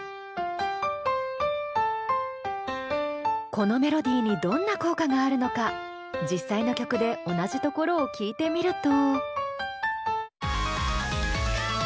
このメロディーにどんな効果があるのか実際の曲で同じところを聴いてみると。